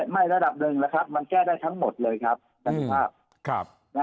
ไม่ระดับหนึ่งนะครับมันแก้ได้ทั้งหมดเลยครับ